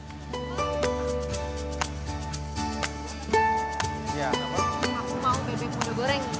aku mau bebek muda goreng